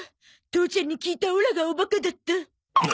父ちゃんに聞いたオラがおバカだった。